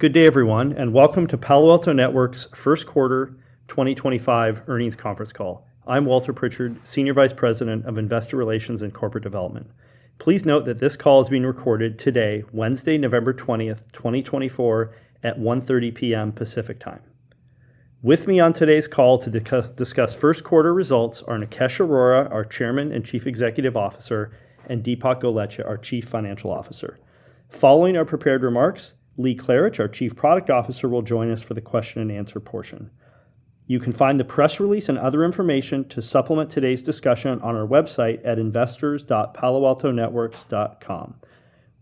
Good day, everyone, and welcome to Palo Alto Networks' First Quarter 2025 Earnings Conference Call. I'm Walter Pritchard, Senior Vice President of Investor Relations and Corporate Development. Please note that this call is being recorded today, Wednesday, November 20, 2024, at 1:30 P.M. Pacific Time. With me on today's call to discuss first quarter results are Nikesh Arora, our Chairman and Chief Executive Officer, and Dipak Golechha, our Chief Financial Officer. Following our prepared remarks, Lee Klarich, our Chief Product Officer, will join us for the question-and-answer portion. You can find the press release and other information to supplement today's discussion on our website at investors.paloaltonetworks.com.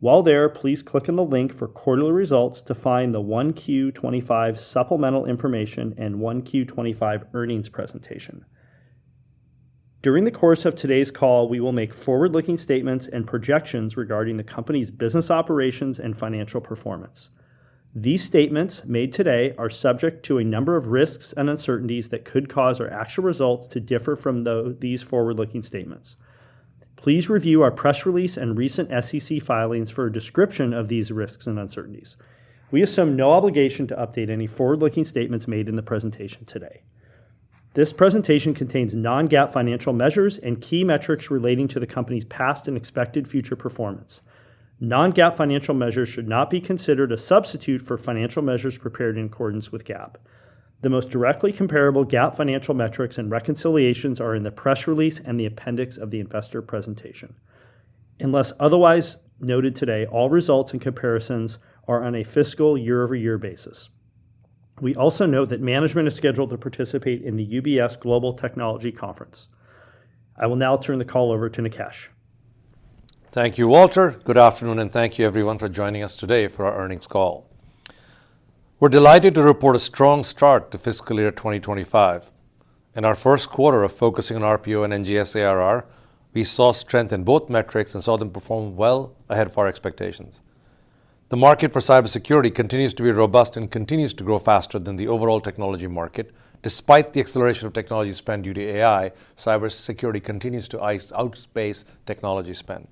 While there, please click on the link for quarterly results to find the 1Q 2025 Supplemental Information and 1Q 2025 Earnings presentation. During the course of today's call, we will make forward-looking statements and projections regarding the company's business operations and financial performance. These statements made today are subject to a number of risks and uncertainties that could cause our actual results to differ from these forward-looking statements. Please review our press release and recent SEC filings for a description of these risks and uncertainties. We assume no obligation to update any forward-looking statements made in the presentation today. This presentation contains non-GAAP financial measures and key metrics relating to the company's past and expected future performance. Non-GAAP financial measures should not be considered a substitute for financial measures prepared in accordance with GAAP. The most directly comparable GAAP financial metrics and reconciliations are in the press release and the appendix of the investor presentation. Unless otherwise noted today, all results and comparisons are on a fiscal year-over-year basis. We also note that management is scheduled to participate in the UBS Global Technology Conference. I will now turn the call over to Nikesh. Thank you, Walter. Good afternoon, and thank you, everyone, for joining us today for our earnings call. We're delighted to report a strong start to fiscal year 2025. In our first quarter of focusing on RPO and NGS ARR, we saw strength in both metrics and saw them perform well ahead of our expectations. The market for cybersecurity continues to be robust and continues to grow faster than the overall technology market. Despite the acceleration of technology spend due to AI, cybersecurity continues to outpace technology spend.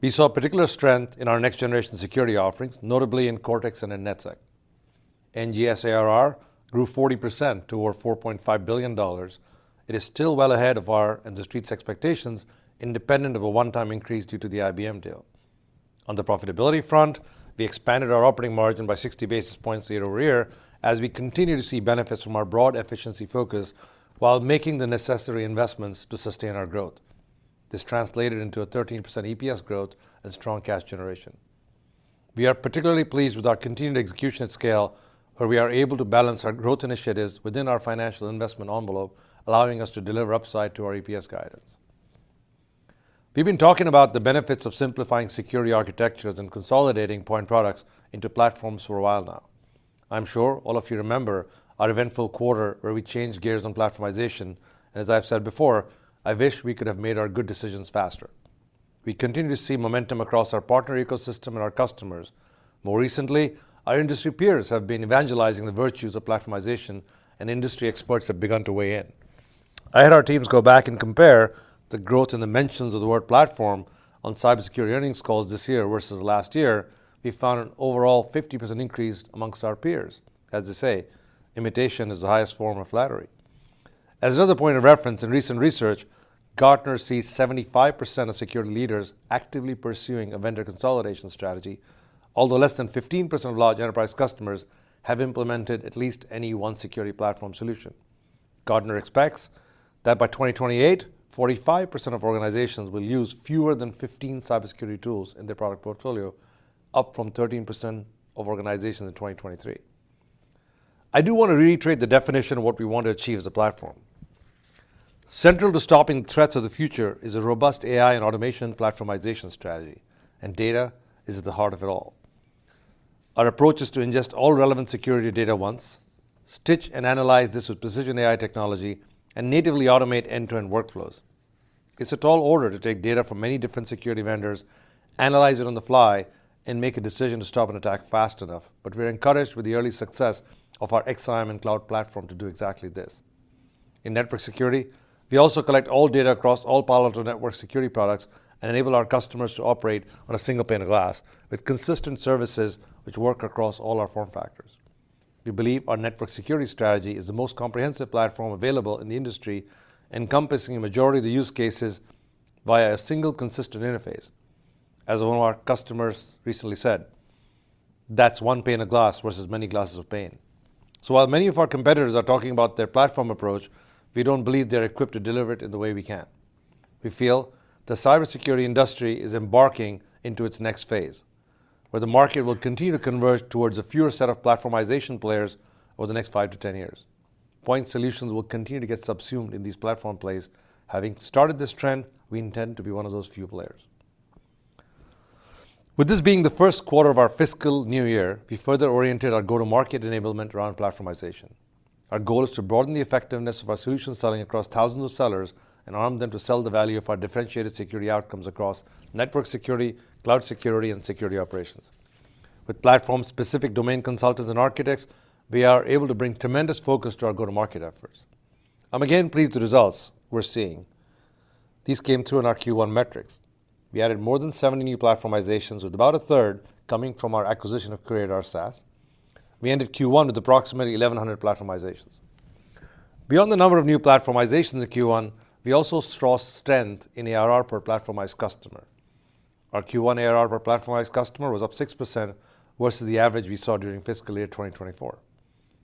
We saw particular strength in our next-generation security offerings, notably in Cortex and NetSec. NGS ARR grew 40% to over $4.5 billion. It is still well ahead of our and the Street's expectations, independent of a one-time increase due to the IBM deal. On the profitability front, we expanded our operating margin by 60 basis points year over year as we continue to see benefits from our broad efficiency focus while making the necessary investments to sustain our growth. This translated into a 13% EPS growth and strong cash generation. We are particularly pleased with our continued execution at scale, where we are able to balance our growth initiatives within our financial investment envelope, allowing us to deliver upside to our EPS guidance. We've been talking about the benefits of simplifying security architectures and consolidating point products into platforms for a while now. I'm sure all of you remember our eventful quarter where we changed gears on platformization. As I've said before, I wish we could have made our good decisions faster. We continue to see momentum across our partner ecosystem and our customers. More recently, our industry peers have been evangelizing the virtues of platformization, and industry experts have begun to weigh in. I had our teams go back and compare the growth and the mentions of the word "platform" on cybersecurity earnings calls this year versus last year. We found an overall 50% increase among our peers. As they say, imitation is the highest form of flattery. As another point of reference in recent research, Gartner sees 75% of security leaders actively pursuing a vendor consolidation strategy, although less than 15% of large enterprise customers have implemented at least any one security platform solution. Gartner expects that by 2028, 45% of organizations will use fewer than 15 cybersecurity tools in their product portfolio, up from 13% of organizations in 2023. I do want to reiterate the definition of what we want to achieve as a platform. Central to stopping threats of the future is a robust AI and automation platformization strategy, and data is at the heart of it all. Our approach is to ingest all relevant security data once, stitch and analyze this with precision AI technology, and natively automate end-to-end workflows. It's a tall order to take data from many different security vendors, analyze it on the fly, and make a decision to stop an attack fast enough, but we're encouraged with the early success of our XSIAM and cloud platform to do exactly this. In network security, we also collect all data across all Palo Alto Networks security products and enable our customers to operate on a single pane of glass with consistent services which work across all our form factors. We believe our network security strategy is the most comprehensive platform available in the industry, encompassing a majority of the use cases via a single consistent interface. As one of our customers recently said, "That's one pane of glass versus many glasses of pain." So while many of our competitors are talking about their platform approach, we don't believe they're equipped to deliver it in the way we can. We feel the cybersecurity industry is embarking into its next phase, where the market will continue to converge towards a fewer set of platformization players over the next five to 10 years. Point solutions will continue to get subsumed in these platform plays. Having started this trend, we intend to be one of those few players. With this being the first quarter of our fiscal new year, we further oriented our go-to-market enablement around platformization. Our goal is to broaden the effectiveness of our solution selling across thousands of sellers and arm them to sell the value of our differentiated security outcomes across network security, cloud security, and security operations. With platform-specific domain consultants and architects, we are able to bring tremendous focus to our go-to-market efforts. I'm again pleased with the results we're seeing. These came through in our Q1 metrics. We added more than 70 new platformizations, with about a third coming from our acquisition of QRadar SaaS. We ended Q1 with approximately 1,100 platformizations. Beyond the number of new platformizations in Q1, we also saw strength in ARR per platformized customer. Our Q1 ARR per platformized customer was up 6% versus the average we saw during fiscal year 2024.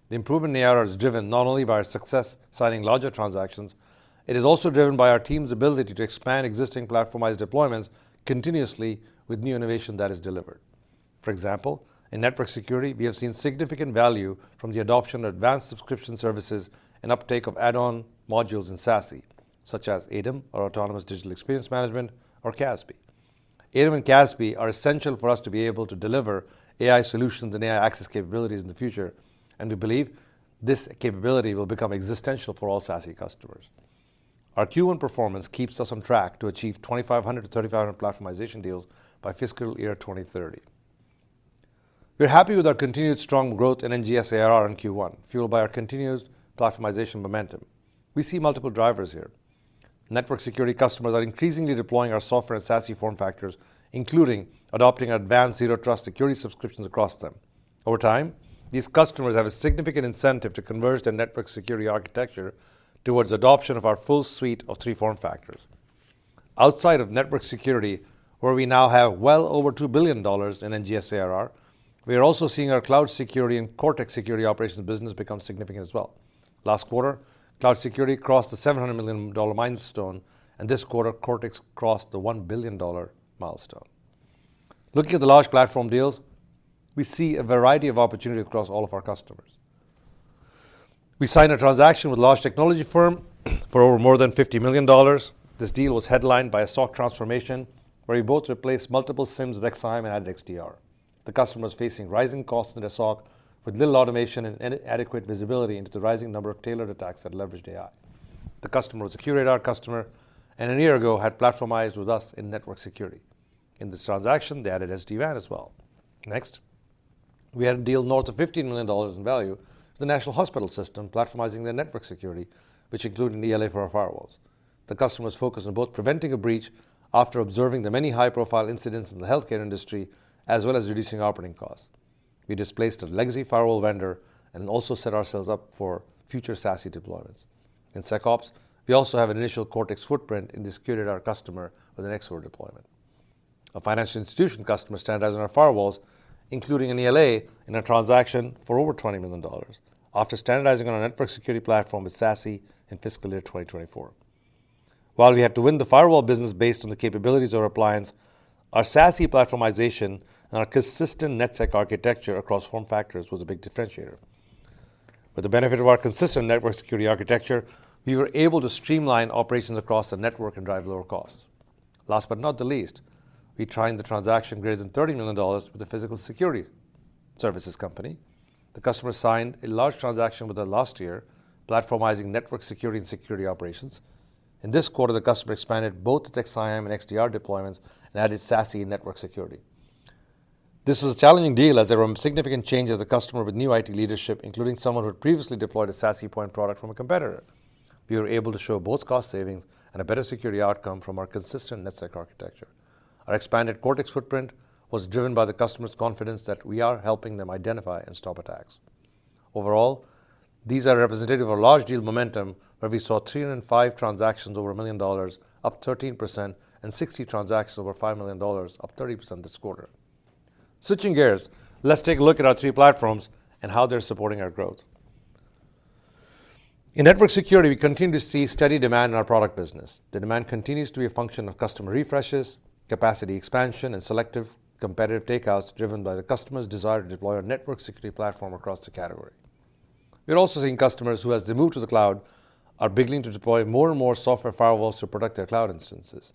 The improvement in ARR is driven not only by our success signing larger transactions. It is also driven by our team's ability to expand existing platformized deployments continuously with new innovation that is delivered. For example, in network security, we have seen significant value from the adoption of advanced subscription services and uptake of add-on modules in SASE, such as ADEM, or Autonomous Digital Experience Management, or CASB. ADEM and CASB are essential for us to be able to deliver AI solutions and AI access capabilities in the future, and we believe this capability will become existential for all SASE customers. Our Q1 performance keeps us on track to achieve 2,500-3,500 platformization deals by fiscal year 2030. We're happy with our continued strong growth in NGS ARR in Q1, fueled by our continued platformization momentum. We see multiple drivers here. Network security customers are increasingly deploying our software and SASE form factors, including adopting advanced zero-trust security subscriptions across them. Over time, these customers have a significant incentive to converge their network security architecture towards adoption of our full suite of three form factors. Outside of network security, where we now have well over $2 billion in NGS ARR, we are also seeing our cloud security and Cortex security operations business become significant as well. Last quarter, cloud security crossed the $700 million milestone, and this quarter, Cortex crossed the $1 billion milestone. Looking at the large platform deals, we see a variety of opportunities across all of our customers. We signed a transaction with a large technology firm for over more than $50 million. This deal was headlined by a SOC transformation where we both replaced multiple SIEMs with XSIAM and added XDR. The customer is facing rising costs in their SOC with little automation and inadequate visibility into the rising number of tailored attacks that leverage AI. The customer was a QRadar customer and a year ago had platformized with us in network security. In this transaction, they added SD-WAN as well. Next, we had a deal north of $15 million in value with the National Hospital System platformizing their network security, which included an ELA for our firewalls. The customer is focused on both preventing a breach after observing the many high-profile incidents in the healthcare industry, as well as reducing operating costs. We displaced a legacy firewall vendor and also set ourselves up for future SASE deployments. In SecOps, we also have an initial Cortex footprint in this QRadar customer with an XSOAR deployment. A financial institution customer standardized on our firewalls, including an ELA in a transaction for over $20 million after standardizing on our network security platform with SASE in fiscal year 2024. While we had to win the firewall business based on the capabilities of our appliance, our SASE platformization and our consistent NetSec architecture across form factors was a big differentiator. With the benefit of our consistent network security architecture, we were able to streamline operations across the network and drive lower costs. Last but not least, we closed the transaction greater than $30 million with a physical security services company. The customer signed a large transaction with us last year, platformizing network security and security operations. In this quarter, the customer expanded both its XSIAM and XDR deployments and added SASE network security. This was a challenging deal as there were significant changes at the customer with new IT leadership, including someone who had previously deployed a SASE point product from a competitor. We were able to show both cost savings and a better security outcome from our consistent NetSec architecture. Our expanded Cortex footprint was driven by the customer's confidence that we are helping them identify and stop attacks. Overall, these are representative of a large deal momentum where we saw 305 transactions over $1 million, up 13%, and 60 transactions over $5 million, up 30% this quarter. Switching gears, let's take a look at our three platforms and how they're supporting our growth. In network security, we continue to see steady demand in our product business. The demand continues to be a function of customer refreshes, capacity expansion, and selective competitive takeouts driven by the customer's desire to deploy our network security platform across the category. We're also seeing customers who, as they move to the cloud, are beginning to deploy more and more software firewalls to protect their cloud instances.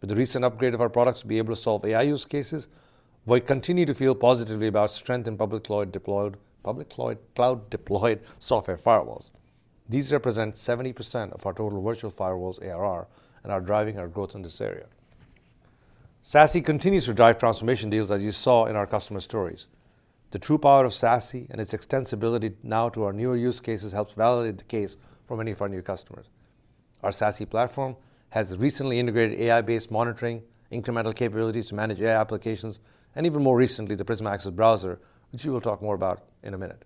With the recent upgrade of our products to be able to solve AI use cases, we continue to feel positively about strength in public cloud deployed software firewalls. These represent 70% of our total virtual firewalls ARR and are driving our growth in this area. SASE continues to drive transformation deals, as you saw in our customer stories. The true power of SASE and its extensibility now to our newer use cases helps validate the case for many of our new customers. Our SASE platform has recently integrated AI-based monitoring, incremental capabilities to manage AI applications, and even more recently, the Prisma Access Browser, which we will talk more about in a minute.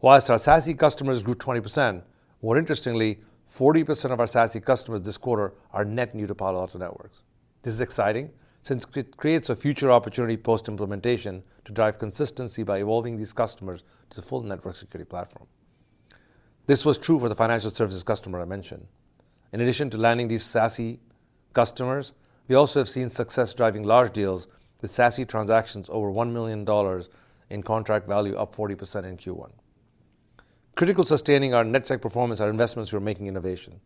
While our SASE customers grew 20%, more interestingly, 40% of our SASE customers this quarter are net new to Palo Alto Networks. This is exciting since it creates a future opportunity post-implementation to drive consistency by evolving these customers to the full network security platform. This was true for the financial services customer I mentioned. In addition to landing these SASE customers, we also have seen success driving large deals with SASE transactions over $1 million in contract value, up 40% in Q1. Critical to sustaining our NetSec performance are investments we're making in innovation.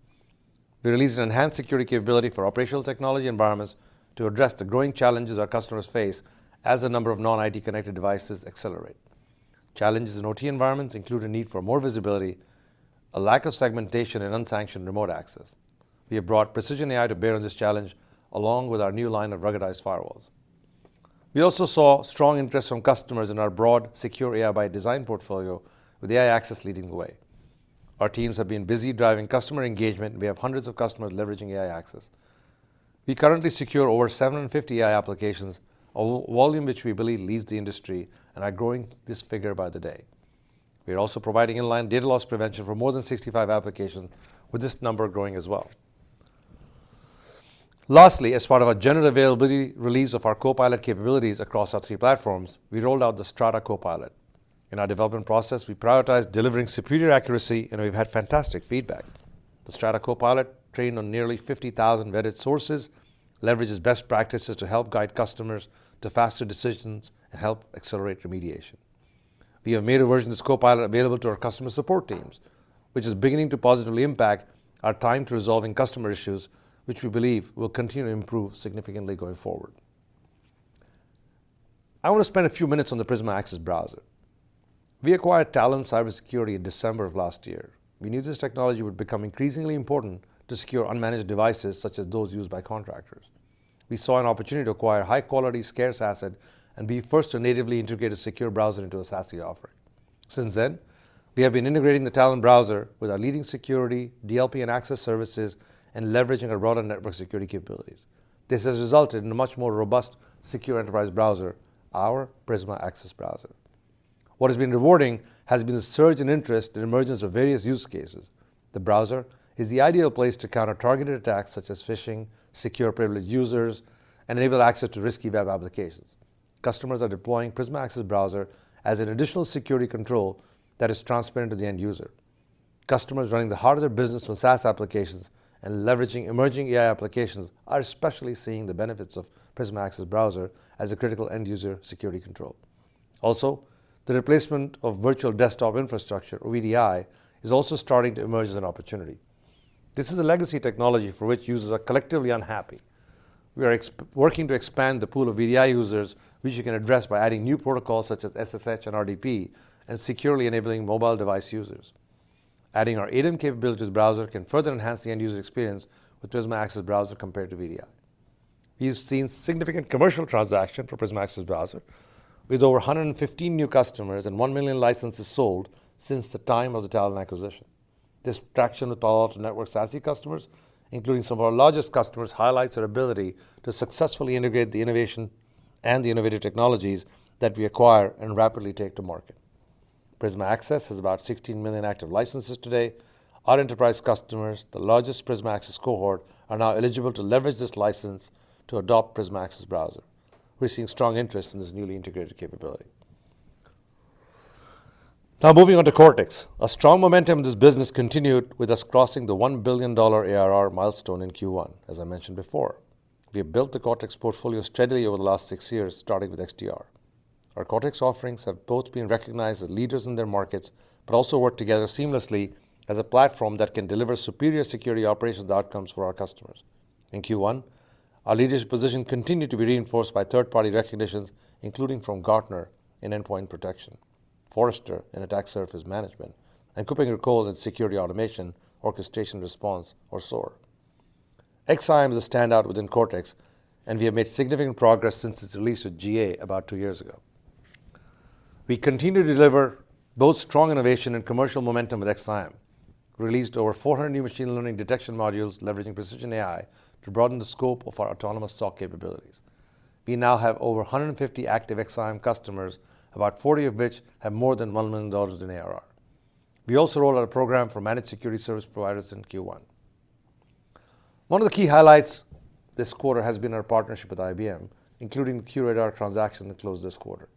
We released an enhanced security capability for operational technology environments to address the growing challenges our customers face as the number of non-IT connected devices accelerate. Challenges in OT environments include a need for more visibility, a lack of segmentation, and unsanctioned remote access. We have brought Precision AI to bear on this challenge along with our new line of ruggedized firewalls. We also saw strong interest from customers in our broad Secure AI by Design portfolio, with AI access leading the way. Our teams have been busy driving customer engagement, and we have hundreds of customers leveraging AI access. We currently secure over 750 AI applications, a volume which we believe leads the industry and are growing this figure by the day. We are also providing inline data loss prevention for more than 65 applications, with this number growing as well. Lastly, as part of our general availability release of our Copilot capabilities across our three platforms, we rolled out the Strata Copilot. In our development process, we prioritized delivering superior accuracy, and we've had fantastic feedback. The Strata Copilot, trained on nearly 50,000 vetted sources, leverages best practices to help guide customers to faster decisions and help accelerate remediation. We have made a version of this Copilot available to our customer support teams, which is beginning to positively impact our time to resolving customer issues, which we believe will continue to improve significantly going forward. I want to spend a few minutes on the Prisma Access Browser. We acquired Talon Cybersecurity in December of last year. We knew this technology would become increasingly important to secure unmanaged devices such as those used by contractors. We saw an opportunity to acquire high-quality scarce asset and be the first to natively integrate a secure browser into a SASE offering. Since then, we have been integrating the Talon browser with our leading security, DLP, and access services and leveraging our broader network security capabilities. This has resulted in a much more robust, secure enterprise browser, our Prisma Access Browser. What has been rewarding has been the surge in interest and emergence of various use cases. The browser is the ideal place to counter targeted attacks such as phishing, secure privileged users, and enable access to risky web applications. Customers are deploying Prisma Access Browser as an additional security control that is transparent to the end user. Customers running the heart of their business on SaaS applications and leveraging emerging AI applications are especially seeing the benefits of Prisma Access Browser as a critical end user security control. Also, the replacement of virtual desktop infrastructure, or VDI, is also starting to emerge as an opportunity. This is a legacy technology for which users are collectively unhappy. We are working to expand the pool of VDI users, which we can address by adding new protocols such as SSH and RDP and securely enabling mobile device users. Adding our ADEM capabilities to the browser can further enhance the end user experience with Prisma Access Browser compared to VDI. We have seen significant commercial traction for Prisma Access Browser, with over 115 new customers and one million licenses sold since the time of the Talon acquisition. This traction with Palo Alto Networks SASE customers, including some of our largest customers, highlights our ability to successfully integrate the innovation and the innovative technologies that we acquire and rapidly take to market. Prisma Access has about 16 million active licenses today. Our enterprise customers, the largest Prisma Access cohort, are now eligible to leverage this license to adopt Prisma Access Browser. We're seeing strong interest in this newly integrated capability. Now, moving on to Cortex, strong momentum in this business continued with us crossing the $1 billion ARR milestone in Q1, as I mentioned before. We have built the Cortex portfolio steadily over the last six years, starting with XDR. Our Cortex offerings have both been recognized as leaders in their markets, but also work together seamlessly as a platform that can deliver superior security operations outcomes for our customers. In Q1, our leadership position continued to be reinforced by third-party recognitions, including from Gartner in endpoint protection, Forrester in attack surface management, and KuppingerCole in security automation, orchestration response, or SOAR. XSIAM is a standout within Cortex, and we have made significant progress since its release with GA about two years ago. We continue to deliver both strong innovation and commercial momentum with XSIAM. We released over 400 new machine learning detection modules leveraging Precision AI to broaden the scope of our autonomous SOC capabilities. We now have over 150 active XSIAM customers, about 40 of which have more than $1 million in ARR. We also rolled out a program for managed security service providers in Q1. One of the key highlights this quarter has been our partnership with IBM, including the QRadar transaction that closed this quarter.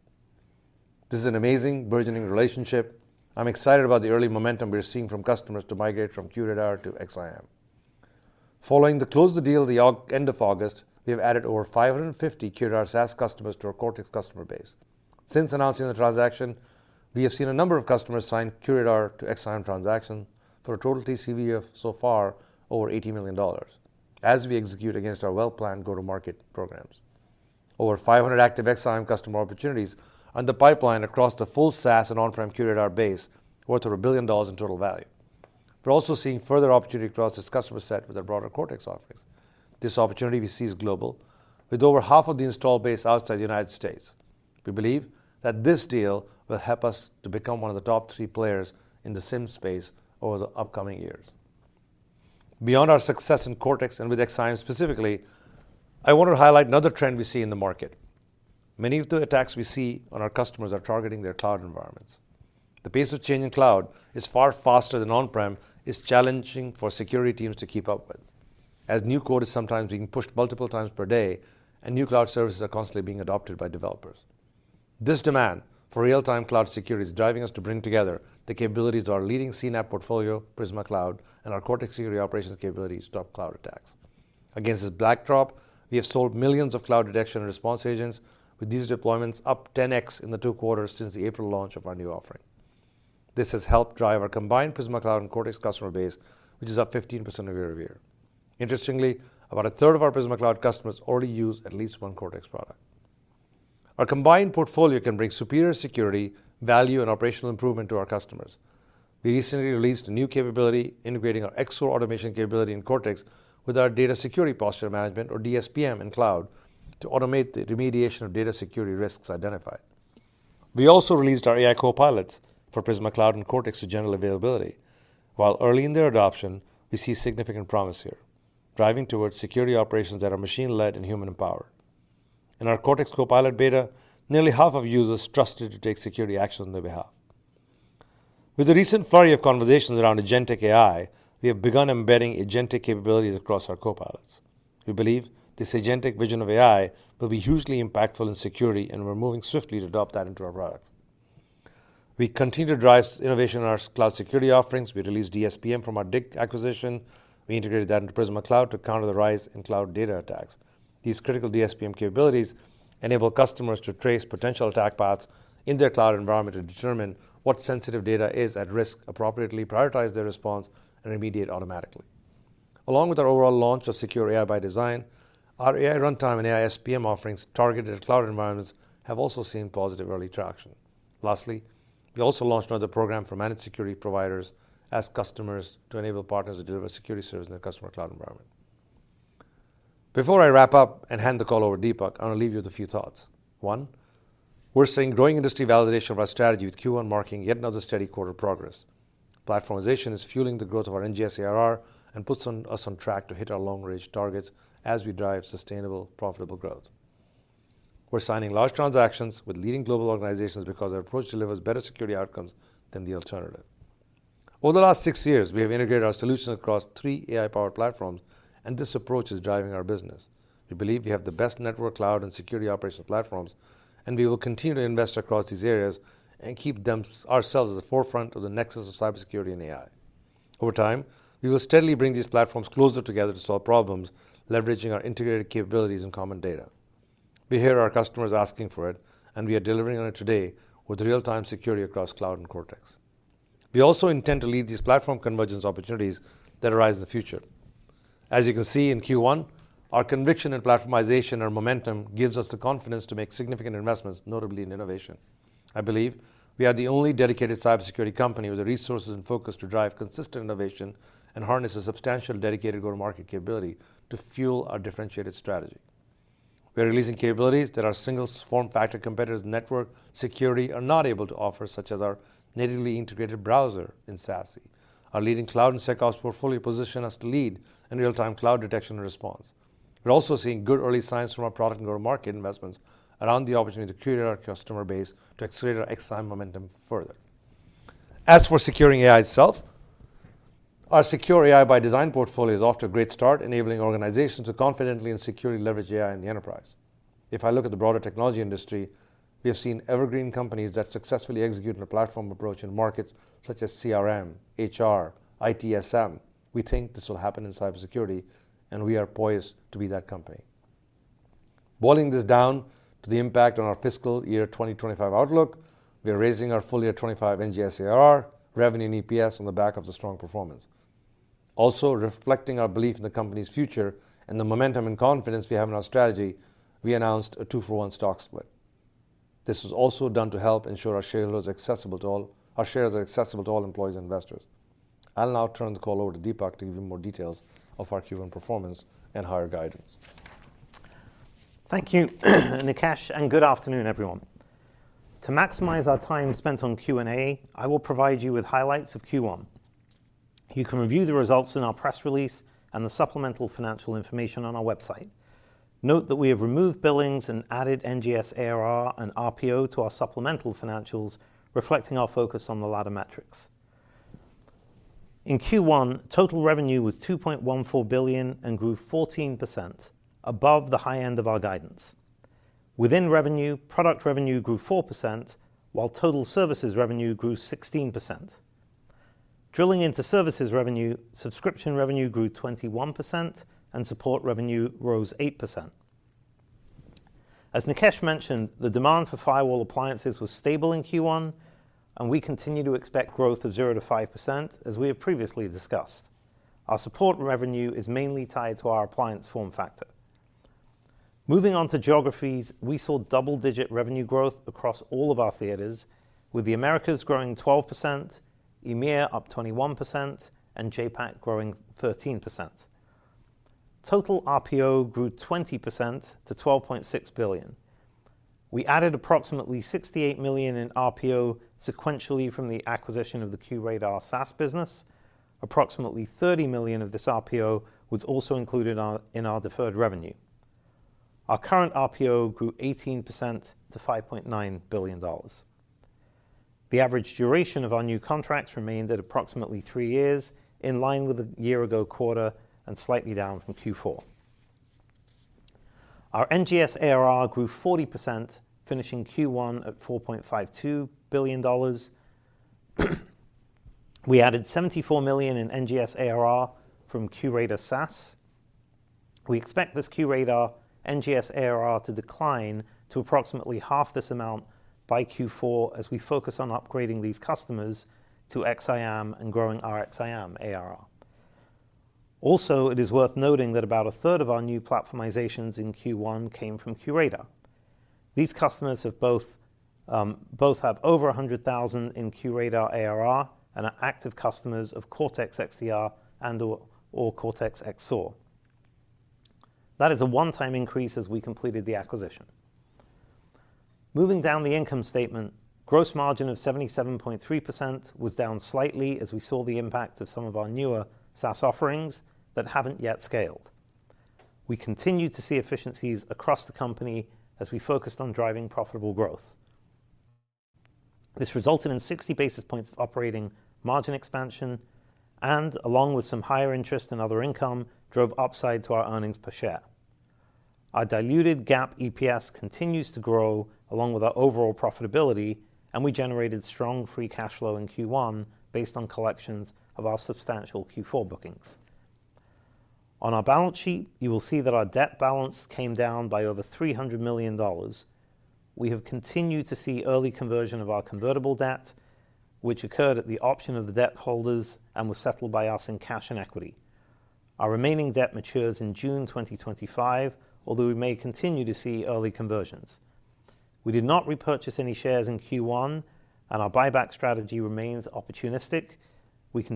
This is an amazing, burgeoning relationship. I'm excited about the early momentum we're seeing from customers to migrate from QRadar to XSIAM. Following the close of the deal at the end of August, we have added over 550 QRadar SaaS customers to our Cortex customer base. Since announcing the transaction, we have seen a number of customers sign QRadar to XSIAM transactions for a total TCV of so far over $80 million as we execute against our well-planned go-to-market programs. Over 500 active XSIAM customer opportunities are in the pipeline across the full SaaS and on-prem QRadar base worth over $1 billion in total value. We're also seeing further opportunity across this customer set with our broader Cortex offerings. This opportunity we see is global, with over half of the installed base outside the United States. We believe that this deal will help us to become one of the top three players in the SIEM space over the upcoming years. Beyond our success in Cortex and with XSIAM specifically, I want to highlight another trend we see in the market. Many of the attacks we see on our customers are targeting their cloud environments. The pace of change in cloud is far faster than on-prem, which is challenging for security teams to keep up with. As new code is sometimes being pushed multiple times per day and new cloud services are constantly being adopted by developers, this demand for real-time cloud security is driving us to bring together the capabilities of our leading CNAPP portfolio, Prisma Cloud, and our Cortex security operations capabilities to stop cloud attacks. Against this backdrop, we have sold millions of cloud detection and response agents, with these deployments up 10x in the two quarters since the April launch of our new offering. This has helped drive our combined Prisma Cloud and Cortex customer base, which is up 15% year over year. Interestingly, about a third of our Prisma Cloud customers already use at least one Cortex product. Our combined portfolio can bring superior security, value, and operational improvement to our customers. We recently released a new capability integrating our Cortex XSOAR automation capability in Cortex with our data security posture management, or DSPM, in cloud to automate the remediation of data security risks identified. We also released our AI Copilots for Prisma Cloud and Cortex to general availability. While early in their adoption, we see significant promise here, driving towards security operations that are machine-led and human-powered. In our Cortex Copilot beta, nearly half of users trusted to take security actions on their behalf. With the recent flurry of conversations around agentic AI, we have begun embedding agentic capabilities across our Copilots. We believe this agentic vision of AI will be hugely impactful in security, and we're moving swiftly to adopt that into our products. We continue to drive innovation in our cloud security offerings. We released DSPM from our Dig Security acquisition. We integrated that into Prisma Cloud to counter the rise in cloud data attacks. These critical DSPM capabilities enable customers to trace potential attack paths in their cloud environment to determine what sensitive data is at risk, appropriately prioritize their response, and remediate automatically. Along with our overall launch of Secure AI by Design, our AI Runtime and AI-SPM offerings targeted at cloud environments have also seen positive early traction. Lastly, we also launched another program for managed security providers as customers to enable partners to deliver security service in their customer cloud environment. Before I wrap up and hand the call over to Dipak, I want to leave you with a few thoughts. One, we're seeing growing industry validation of our strategy with Q1 marking yet another steady quarter of progress. Platformization is fueling the growth of our NGS ARR and puts us on track to hit our long-range targets as we drive sustainable, profitable growth. We're signing large transactions with leading global organizations because our approach delivers better security outcomes than the alternative. Over the last six years, we have integrated our solutions across three AI-powered platforms, and this approach is driving our business. We believe we have the best network, cloud, and security operational platforms, and we will continue to invest across these areas and keep ourselves at the forefront of the nexus of cybersecurity and AI. Over time, we will steadily bring these platforms closer together to solve problems, leveraging our integrated capabilities and common data. We hear our customers asking for it, and we are delivering on it today with real-time security across cloud and Cortex. We also intend to lead these platform convergence opportunities that arise in the future. As you can see in Q1, our conviction in platformization and momentum gives us the confidence to make significant investments, notably in innovation. I believe we are the only dedicated cybersecurity company with the resources and focus to drive consistent innovation and harness a substantial dedicated go-to-market capability to fuel our differentiated strategy. We are releasing capabilities that our single-form factor competitors' network security are not able to offer, such as our natively integrated browser in SASE. Our leading cloud and SecOps portfolio positions us to lead in real-time cloud detection and response. We're also seeing good early signs from our product and go-to-market investments around the opportunity to curate our customer base to accelerate our XSIAM momentum further. As for securing AI itself, our Secure AI by Design portfolio is off to a great start, enabling organizations to confidently and securely leverage AI in the enterprise. If I look at the broader technology industry, we have seen evergreen companies that successfully execute in a platform approach in markets such as CRM, HR, ITSM. We think this will happen in cybersecurity, and we are poised to be that company. Boiling this down to the impact on our fiscal year 2025 outlook, we are raising our full year '25 NGS ARR revenue and EPS on the back of the strong performance. Also, reflecting our belief in the company's future and the momentum and confidence we have in our strategy, we announced a two-for-one stock split. This was also done to help ensure our shares are accessible to all employees and investors. I'll now turn the call over to Dipak to give you more details of our Q1 performance and FY guidance. Thank you, Nikesh, and good afternoon, everyone. To maximize our time spent on Q&A, I will provide you with highlights of Q1. You can review the results in our press release and the supplemental financial information on our website. Note that we have removed billings and added NGS ARR and RPO to our supplemental financials, reflecting our focus on the latter metrics. In Q1, total revenue was $2.14 billion and grew 14%, above the high end of our guidance. Within revenue, product revenue grew 4%, while total services revenue grew 16%. Drilling into services revenue, subscription revenue grew 21%, and support revenue rose 8%. As Nikesh mentioned, the demand for firewall appliances was stable in Q1, and we continue to expect growth of 0%-5%, as we have previously discussed. Our support revenue is mainly tied to our appliance form factor. Moving on to geographies, we saw double-digit revenue growth across all of our theaters, with the Americas growing 12%, EMEA up 21%, and JAPAC growing 13%. Total RPO grew 20% to $12.6 billion. We added approximately $68 million in RPO sequentially from the acquisition of the QRadar SaaS business. Approximately $30 million of this RPO was also included in our deferred revenue. Our current RPO grew 18% to $5.9 billion. The average duration of our new contracts remained at approximately three years, in line with the year-ago quarter and slightly down from Q4. Our NGS ARR grew 40%, finishing Q1 at $4.52 billion. We added $74 million in NGS ARR from QRadar SaaS. We expect this QRadar NGS ARR to decline to approximately half this amount by Q4 as we focus on upgrading these customers to XSIAM and growing our XSIAM ARR. Also, it is worth noting that about a third of our new platformizations in Q1 came from QRadar. These customers both have over $100,000 in QRadar ARR and are active customers of Cortex XDR and/or Cortex XSOAR. That is a one-time increase as we completed the acquisition. Moving down the income statement, gross margin of 77.3% was down slightly as we saw the impact of some of our newer SaaS offerings that haven't yet scaled. We continue to see efficiencies across the company as we focused on driving profitable growth. This resulted in 60 basis points of operating margin expansion and, along with some higher interest and other income, drove upside to our earnings per share. Our diluted GAAP EPS continues to grow along with our overall profitability, and we generated strong free cash flow in Q1 based on collections of our substantial Q4 bookings. On our balance sheet, you will see that our debt balance came down by over $300 million. We have continued to see early conversion of our convertible debt, which occurred at the option of the debt holders and was settled by us in cash and equity. Our remaining debt matures in June 2025, although we may continue to see early conversions. We did not repurchase any shares in Q1, and our buyback strategy remains opportunistic. We have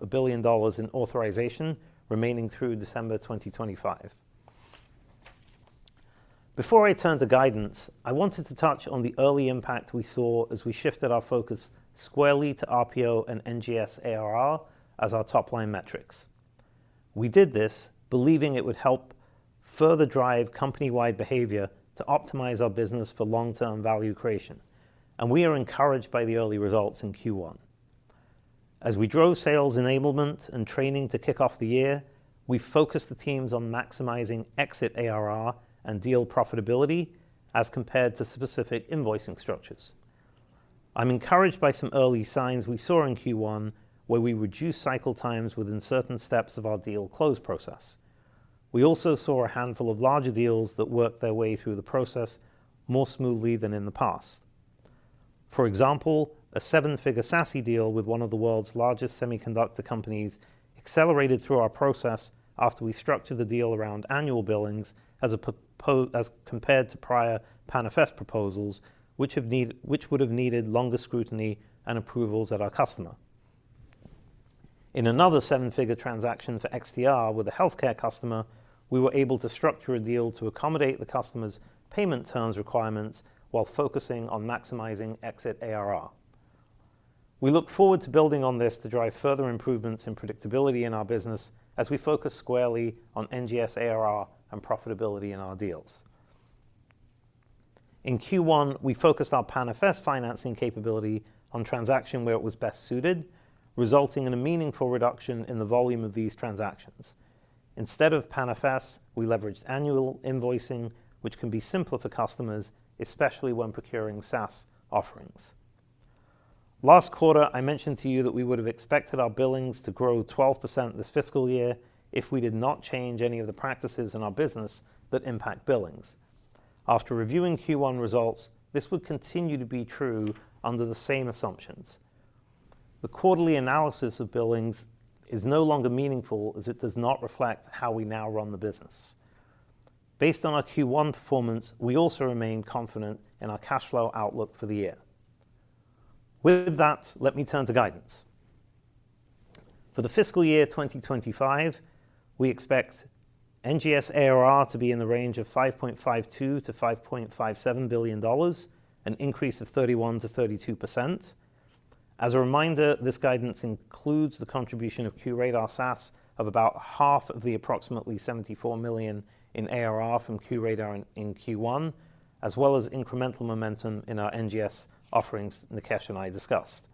$1 billion in authorization remaining through December 2025. Before I turn to guidance, I wanted to touch on the early impact we saw as we shifted our focus squarely to RPO and NGS ARR as our top-line metrics. We did this believing it would help further drive company-wide behavior to optimize our business for long-term value creation, and we are encouraged by the early results in Q1. As we drove sales enablement and training to kick off the year, we focused the teams on maximizing exit ARR and deal profitability as compared to specific invoicing structures. I'm encouraged by some early signs we saw in Q1 where we reduced cycle times within certain steps of our deal close process. We also saw a handful of larger deals that worked their way through the process more smoothly than in the past. For example, a seven-figure SASE deal with one of the world's largest semiconductor companies accelerated through our process after we structured the deal around annual billings as compared to prior PANFS proposals, which would have needed longer scrutiny and approvals at our customer. In another seven-figure transaction for XDR with a healthcare customer, we were able to structure a deal to accommodate the customer's payment terms requirements while focusing on maximizing exit ARR. We look forward to building on this to drive further improvements in predictability in our business as we focus squarely on NGS ARR and profitability in our deals. In Q1, we focused our PANFS financing capability on transactions where it was best suited, resulting in a meaningful reduction in the volume of these transactions. Instead of PANFS, we leveraged annual invoicing, which can be simpler for customers, especially when procuring SaaS offerings. Last quarter, I mentioned to you that we would have expected our billings to grow 12% this fiscal year if we did not change any of the practices in our business that impact billings. After reviewing Q1 results, this would continue to be true under the same assumptions. The quarterly analysis of billings is no longer meaningful as it does not reflect how we now run the business. Based on our Q1 performance, we also remain confident in our cash flow outlook for the year. With that, let me turn to guidance. For the fiscal year 2025, we expect NGS ARR to be in the range of $5.52-$5.57 billion, an increase of 31%-32%. As a reminder, this guidance includes the contribution of QRadar SaaS of about half of the approximately $74 million in ARR from QRadar in Q1, as well as incremental momentum in our NGS offerings Nikesh and I discussed.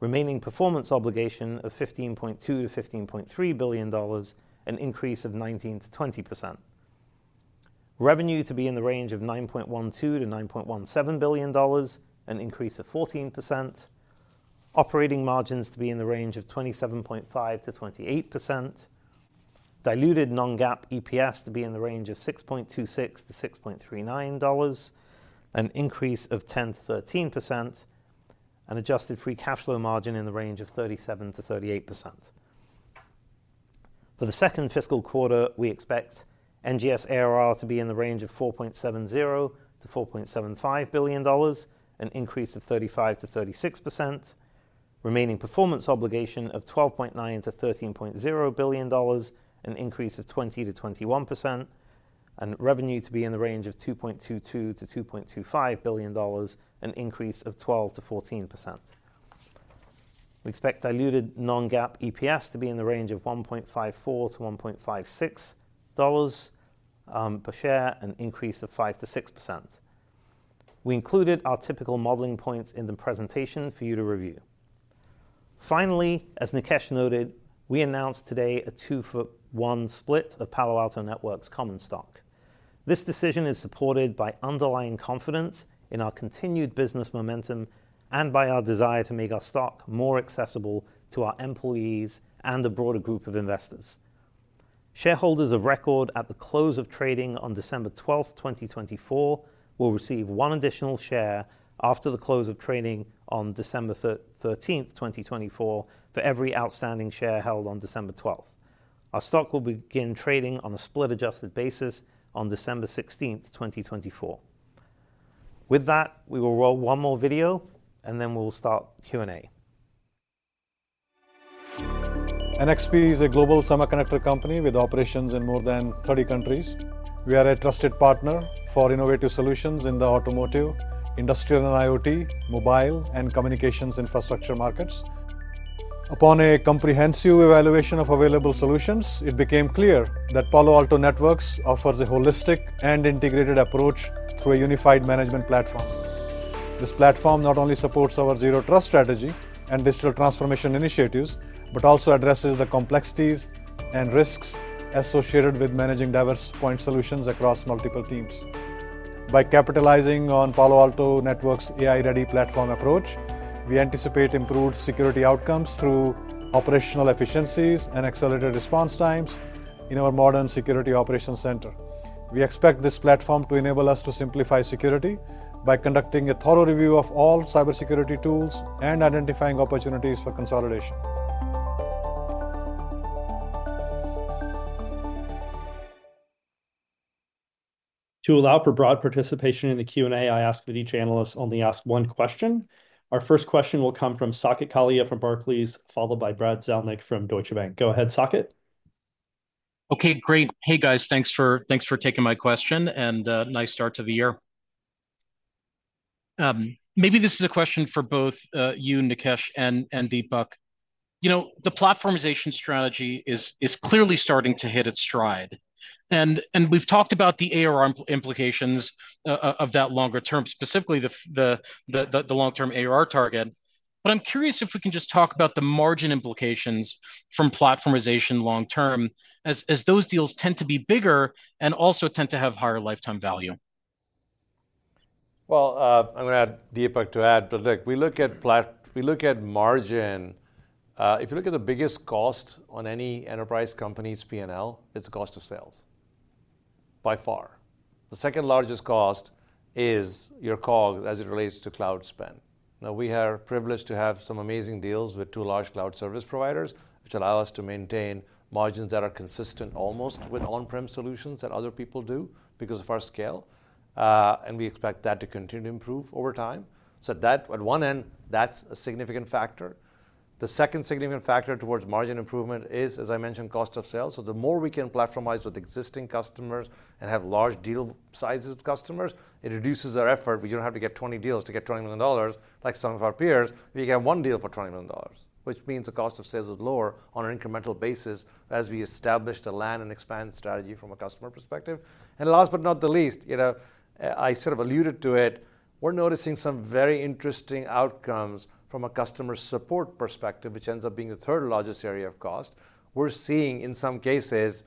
Remaining performance obligation of $15.2-$15.3 billion, an increase of 19%-20%. Revenue to be in the range of $9.12-$9.17 billion, an increase of 14%. Operating margins to be in the range of 27.5%-28%. Diluted non-GAAP EPS to be in the range of $6.26-$6.39, an increase of 10%-13%, and adjusted free cash flow margin in the range of 37%-38%. For the second fiscal quarter, we expect NGS ARR to be in the range of $4.70-$4.75 billion, an increase of 35%-36%. Remaining performance obligation of $12.9-$13.0 billion, an increase of 20%-21%, and revenue to be in the range of $2.22-$2.25 billion, an increase of 12%-14%. We expect diluted non-GAAP EPS to be in the range of $1.54-$1.56 per share, an increase of 5%-6%. We included our typical modeling points in the presentation for you to review. Finally, as Nikesh noted, we announced today a two-for-one split of Palo Alto Networks common stock. This decision is supported by underlying confidence in our continued business momentum and by our desire to make our stock more accessible to our employees and a broader group of investors. Shareholders of record at the close of trading on December 12, 2024, will receive one additional share after the close of trading on December 13, 2024, for every outstanding share held on December 12. Our stock will begin trading on a split-adjusted basis on December 16, 2024. With that, we will roll one more video, and then we'll start Q&A. NXP is a global semiconductor company with operations in more than 30 countries. We are a trusted partner for innovative solutions in the automotive, industrial and IoT, mobile, and communications infrastructure markets. Upon a comprehensive evaluation of available solutions, it became clear that Palo Alto Networks offers a holistic and integrated approach through a unified management platform. This platform not only supports our zero-trust strategy and digital transformation initiatives but also addresses the complexities and risks associated with managing diverse point solutions across multiple teams. By capitalizing on Palo Alto Networks' AI-ready platform approach, we anticipate improved security outcomes through operational efficiencies and accelerated response times in our modern security operations center. We expect this platform to enable us to simplify security by conducting a thorough review of all cybersecurity tools and identifying opportunities for consolidation. To allow for broad participation in the Q&A, I ask that each analyst only ask one question. Our first question will come from Saket Kalia from Barclays, followed by Brad Zelnick from Deutsche Bank. Go ahead, Saket. Okay, great. Hey, guys, thanks for taking my question and a nice start to the year. Maybe this is a question for both you, Nikesh, and Dipak. You know, the platformization strategy is clearly starting to hit its stride. And we've talked about the ARR implications of that longer term, specifically the long-term ARR target. But I'm curious if we can just talk about the margin implications from platformization long-term, as those deals tend to be bigger and also tend to have higher lifetime value. I'm going to add Dipak to add, but look, we look at margin. If you look at the biggest cost on any enterprise company's P&L, it's the cost of sales, by far. The second largest cost is your COGS as it relates to cloud spend. Now, we are privileged to have some amazing deals with two large cloud service providers, which allow us to maintain margins that are consistent almost with on-prem solutions that other people do because of our scale, and we expect that to continue to improve over time, so at one end, that's a significant factor. The second significant factor towards margin improvement is, as I mentioned, cost of sales, so the more we can platformize with existing customers and have large deal sizes with customers, it reduces our effort. We don't have to get 20 deals to get $20 million like some of our peers. We can have one deal for $20 million, which means the cost of sales is lower on an incremental basis as we establish the land and expand strategy from a customer perspective. And last but not the least, you know, I sort of alluded to it. We're noticing some very interesting outcomes from a customer support perspective, which ends up being the third largest area of cost. We're seeing in some cases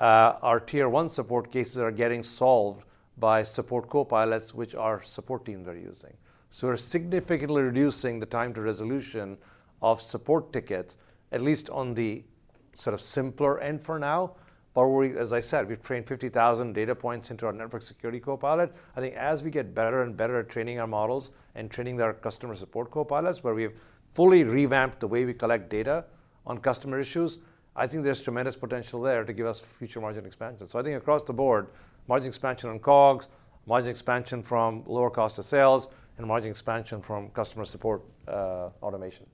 our tier-one support cases are getting solved by support copilots, which our support teams are using. So we're significantly reducing the time to resolution of support tickets, at least on the sort of simpler end for now. But as I said, we've trained 50,000 data points into our network security copilot. I think as we get better and better at training our models and training our customer support copilots, where we have fully revamped the way we collect data on customer issues, I think there's tremendous potential there to give us future margin expansion. So I think across the board, margin expansion on COGS, margin expansion from lower cost of sales, and margin expansion from customer support automation.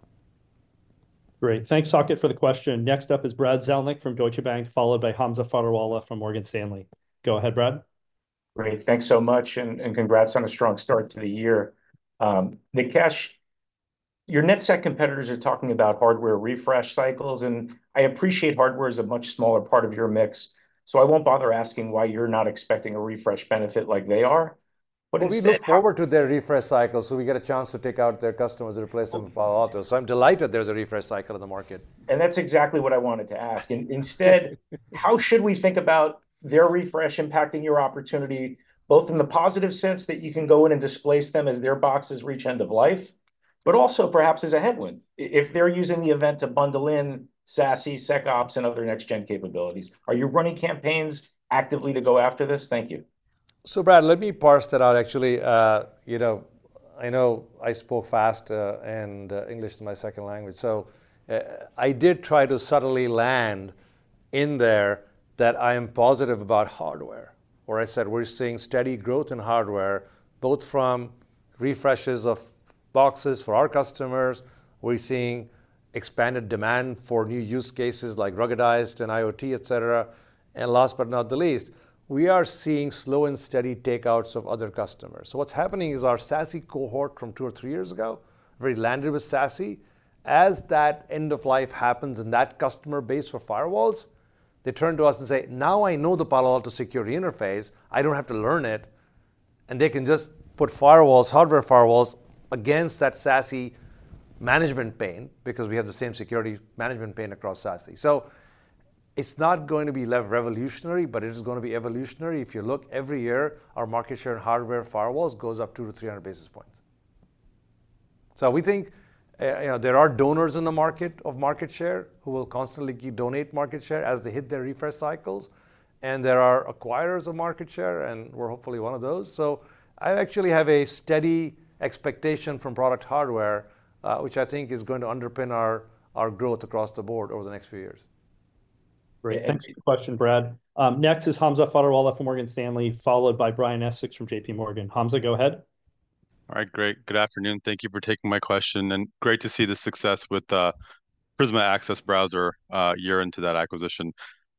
Great. Thanks, Saket, for the question. Next up is Brad Zelnick from Deutsche Bank, followed by Hamza Fodderwala from Morgan Stanley. Go ahead, Brad. Great. Thanks so much, and congrats on a strong start to the year. Nikesh, your NetSec competitors are talking about hardware refresh cycles, and I appreciate hardware is a much smaller part of your mix, so I won't bother asking why you're not expecting a refresh benefit like they are. But it's still. We look forward to their refresh cycle so we get a chance to take out their customers and replace them with Palo Alto. So I'm delighted there's a refresh cycle in the market. And that's exactly what I wanted to ask. Instead, how should we think about their refresh impacting your opportunity, both in the positive sense that you can go in and displace them as their boxes reach end of life, but also perhaps as a headwind if they're using the event to bundle in SASE, SecOps, and other next-gen capabilities? Are you running campaigns actively to go after this? Thank you. So, Brad, let me parse that out, actually. You know, I know I spoke fast and English is my second language. So I did try to subtly land in there that I am positive about hardware, where I said we're seeing steady growth in hardware, both from refreshes of boxes for our customers. We're seeing expanded demand for new use cases like ruggedized and IoT, et cetera. And last but not the least, we are seeing slow and steady takeouts of other customers. So what's happening is our SASE cohort from two or three years ago, very landed with SASE, as that end-of-life happens in that customer base for firewalls, they turn to us and say, "Now I know the Palo Alto security interface. I don't have to learn it." And they can just put firewalls, hardware firewalls, against that SASE management pane because we have the same security management pane across SASE. So it's not going to be revolutionary, but it is going to be evolutionary. If you look every year, our market share in hardware firewalls goes up two to three hundred basis points. So we think, you know, there are donors in the market of market share who will constantly donate market share as they hit their refresh cycles. And there are acquirers of market share, and we're hopefully one of those. So I actually have a steady expectation from product hardware, which I think is going to underpin our growth across the board over the next few years. Great. Thanks for the question, Brad. Next is Hamza Fodderwala from Morgan Stanley, followed by Brian Essex from JPMorgan. Hamza, go ahead. All right, great. Good afternoon. Thank you for taking my question, and great to see the success with Prisma Access Browser a year into that acquisition.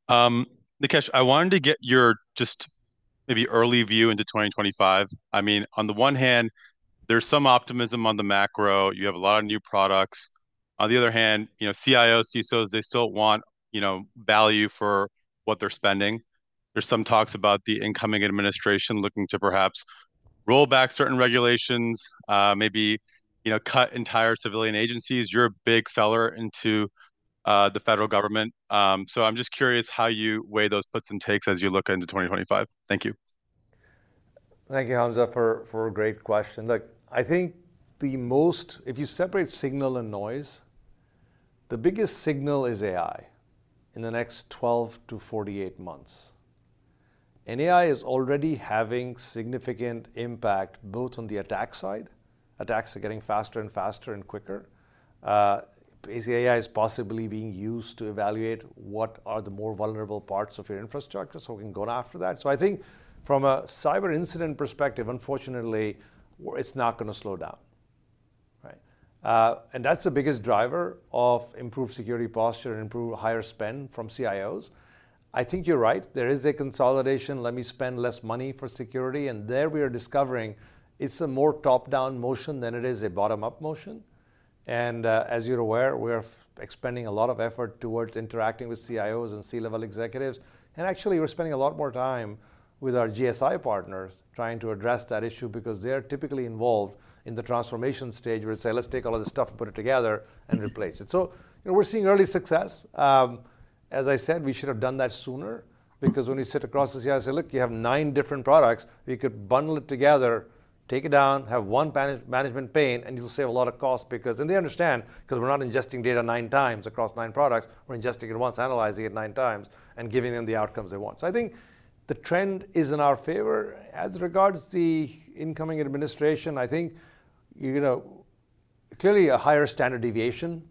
Nikesh, I wanted to get your just maybe early view into 2025. I mean, on the one hand, there's some optimism on the macro. You have a lot of new products. On the other hand, you know, CIOs, CISOs, they still want, you know, value for what they're spending. There's some talks about the incoming administration looking to perhaps roll back certain regulations, maybe, you know, cut entire civilian agencies. You're a big seller into the federal government. So I'm just curious how you weigh those puts and takes as you look into 2025. Thank you. Thank you, Hamza, for a great question. Look, I think the most, if you separate signal and noise, the biggest signal is AI in the next 12-48 months. And AI is already having significant impact both on the attack side. Attacks are getting faster and faster and quicker. AI is possibly being used to evaluate what are the more vulnerable parts of your infrastructure so we can go after that. So I think from a cyber incident perspective, unfortunately, it's not going to slow down, right? And that's the biggest driver of improved security posture and improved higher spend from CIOs. I think you're right. There is a consolidation. Let me spend less money for security. And there we are discovering it's a more top-down motion than it is a bottom-up motion. And as you're aware, we are expending a lot of effort towards interacting with CIOs and C-level executives. And actually, we're spending a lot more time with our GSI partners trying to address that issue because they are typically involved in the transformation stage where they say, "Let's take all this stuff and put it together and replace it." So we're seeing early success. As I said, we should have done that sooner because when you sit across the CIO and say, "Look, you have nine different products, we could bundle it together, take it down, have one management pane, and you'll save a lot of cost because," and they understand because we're not ingesting data nine times across nine products. We're ingesting it once, analyzing it nine times, and giving them the outcomes they want. So I think the trend is in our favor. As regards the incoming administration, I think, you know, clearly a higher standard deviation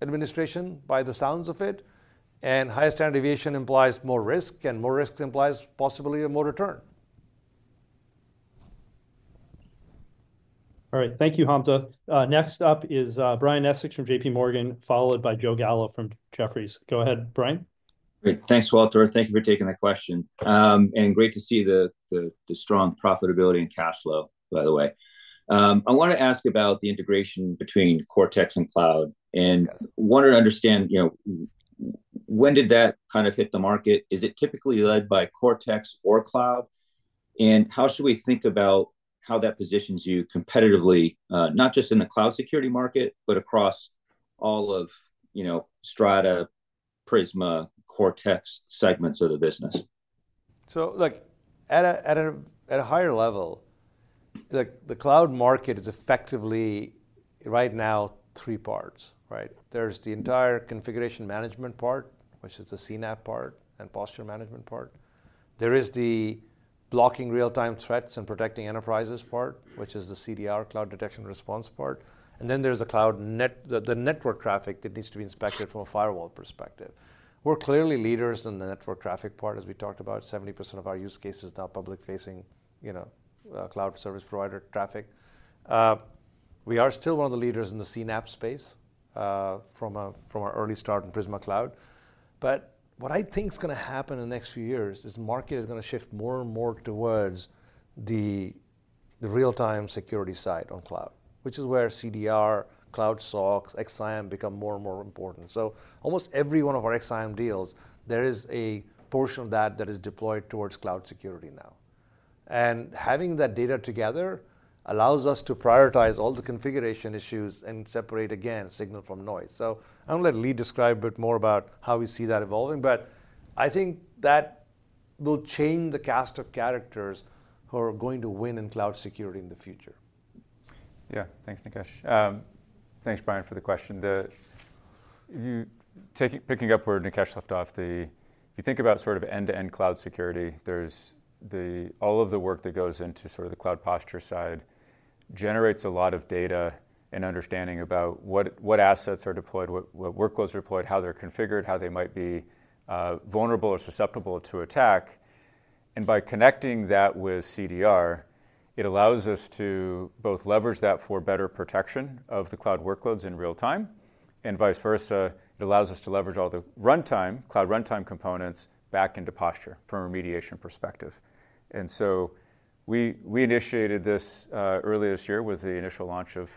administration by the sounds of it, and higher standard deviation implies more risk, and more risk implies possibly a more return. All right. Thank you, Hamza. Next up is Brian Essex from JPMorgan, followed by Joe Gallo from Jefferies. Go ahead, Brian. Great. Thanks, Walter. Thank you for taking that question. Great to see the strong profitability and cash flow, by the way. I want to ask about the integration between Cortex and Cloud. And I want to understand, you know, when did that kind of hit the market? Is it typically led by Cortex or Cloud? And how should we think about how that positions you competitively, not just in the cloud security market, but across all of, you know, Strata, Prisma, Cortex segments of the business? So look, at a higher level, look, the cloud market is effectively right now three parts, right? There's the entire configuration management part, which is the CNAPP part and posture management part. There is the blocking real-time threats and protecting enterprises part, which is the CDR, Cloud Detection and Response part. And then there's the cloud network, the network traffic that needs to be inspected from a firewall perspective. We're clearly leaders in the network traffic part, as we talked about. 70% of our use cases are now public-facing, you know, cloud service provider traffic. We are still one of the leaders in the CNAPP space from our early start in Prisma Cloud. But what I think is going to happen in the next few years is the market is going to shift more and more towards the real-time security side on cloud, which is where CDR, Cloud SOCs, XSIAM become more and more important. So almost every one of our XSIAM deals, there is a portion of that that is deployed towards cloud security now. And having that data together allows us to prioritize all the configuration issues and separate, again, signal from noise. So I'm going to let Lee describe a bit more about how we see that evolving. But I think that will change the cast of characters who are going to win in cloud security in the future. Yeah, thanks, Nikesh. Thanks, Brian, for the question. If you're picking up where Nikesh left off, if you think about sort of end-to-end cloud security, there's all of the work that goes into sort of the cloud posture side generates a lot of data and understanding about what assets are deployed, what workloads are deployed, how they're configured, how they might be vulnerable or susceptible to attack. And by connecting that with CDR, it allows us to both leverage that for better protection of the cloud workloads in real time, and vice versa, it allows us to leverage all the cloud runtime components back into posture from a remediation perspective. And so we initiated this earlier this year with the initial launch of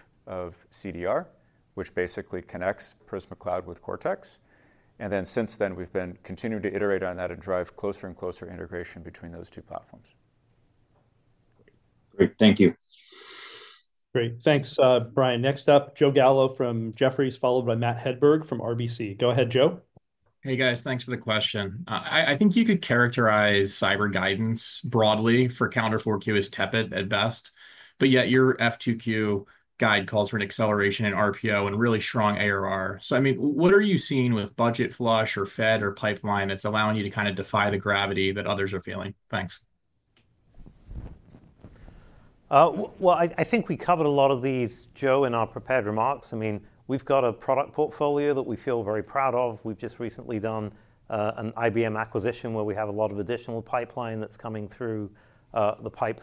CDR, which basically connects Prisma Cloud with Cortex. And then since then, we've been continuing to iterate on that and drive closer and closer integration between those two platforms. Great. Thank you. Great. Thanks, Brian. Next up, Joe Gallo from Jefferies, followed by Matt Hedberg from RBC. Go ahead, Joe. Hey, guys, thanks for the question. I think you could characterize cyber guidance broadly for Calendar 4Q as tepid at best, but yet your F2Q guide calls for an acceleration in RPO and really strong ARR. So I mean, what are you seeing with budget flush or Fed or pipeline that's allowing you to kind of defy the gravity that others are feeling? Thanks. Well, I think we covered a lot of these, Joe, in our prepared remarks. I mean, we've got a product portfolio that we feel very proud of. We've just recently done an IBM acquisition where we have a lot of additional pipeline that's coming through the pipe